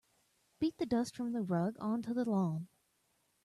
Beat the dust from the rug onto the lawn.